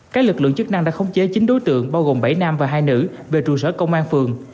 các lực lượng chức năng đã khống chế chín đối tượng bao gồm bảy nam và hai nữ về trụ sở công an phường